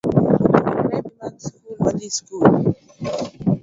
Rwak lepi mag sikul wadhii sikul